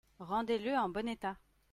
Rendez-le en bon état.